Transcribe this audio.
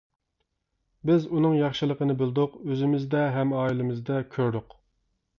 بىز ئۇنىڭ ياخشىلىقىنى بىلدۇق ئۆزىمىزدە، ھەم ئائىلىمىزدە كۆردۇق.